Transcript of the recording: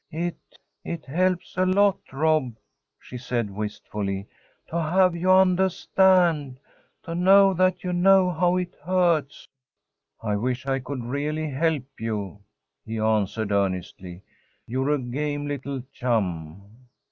"It it helps a lot, Rob," she said, wistfully, "to have you undahstand, to know that you know how it hurts." "I wish I could really help you," he answered, earnestly. "You're a game little chum!"